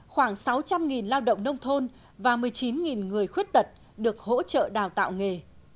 khoảng sáu trăm linh lao động nông thôn và một mươi chín người khuyết tật được hỗ trợ đào tạo nghề